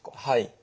はい。